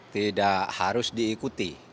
tidak harus diikuti